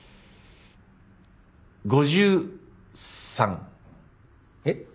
５３。えっ？